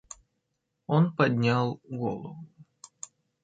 Он поднял голову.